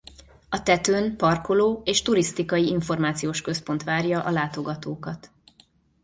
A tetőn parkoló és turisztikai információs központ várja a látogatókat.